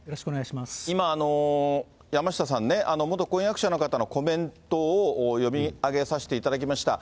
今、山下さんね、元婚約者の方のコメントを読み上げさせていただきました。